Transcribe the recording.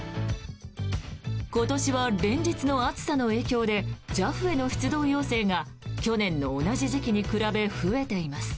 今年は連日の暑さの影響でＪＡＦへの出動要請が去年の同じ時期に比べ増えています。